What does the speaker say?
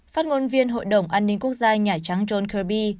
phát ngôn viên hội đồng an ninh quốc gia nhà trắng john kirby